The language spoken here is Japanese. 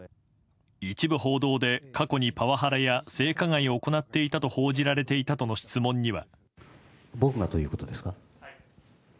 一部報道で過去にパワハラや性加害を行っていたと報じられたとの質問には。